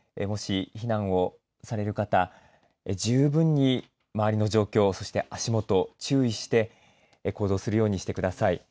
もし、避難をされる方十分に周りの状況そして、足元に注意して行動するようにしてください。